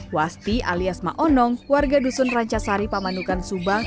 wasti alias ma'onong warga dusun rancasari pamanukan subang